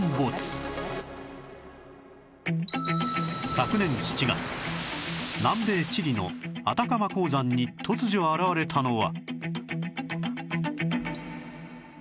昨年７月南米チリのアタカマ鉱山に突如現れたのは